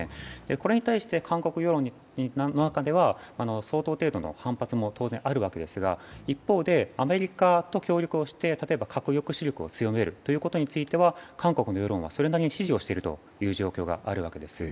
これに対して韓国世論の中では相当程度の反発も当然あるわけですが一方でアメリカと協力をして例えば核抑止力を強めることについては韓国の世論はそれなりに支持をしているという状況があるわけです。